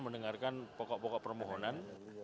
mendengarkan pokok pokok permohonan